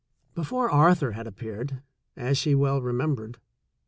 Before Arthur had appeared, as she well remembered.